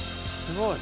すごい。